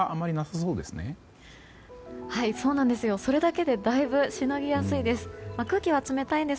それだけでだいぶ、しのぎやすいです。